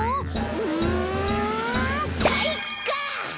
うんかいか！